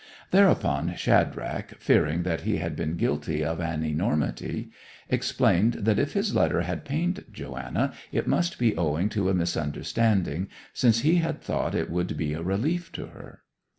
Thereupon Shadrach, fearing that he had been guilty of an enormity, explained that if his letter had pained Joanna it must be owing to a misunderstanding, since he had thought it would be a relief to her.